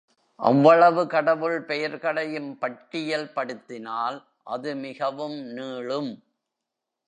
அவ்வளவுகடவுள் பெயர்களையும் பட்டியல் படுத்தினால் அது மிகவும் நீளும்.